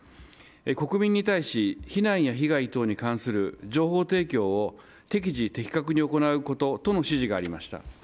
国民に対し、避難や被害等に関する情報提供を適時、的確に行うこととの指示がありました。